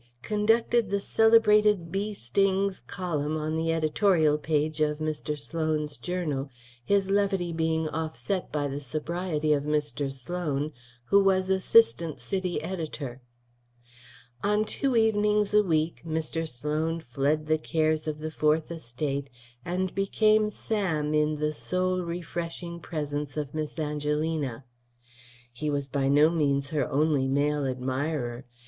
conducted the celebrated "Bee Stings" column on the editorial page of Mr. Sloan's journal, his levity being offset by the sobriety of Mr. Sloan, who was assistant city editor. On two evenings a week Mr. Sloan fled the cares of the Fourth Estate and became Sam in the soul refreshing presence of Miss Angelina. He was by no means her only male admirer.